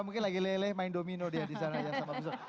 mungkin lagi leleh main domino dia disana ya sama gus dur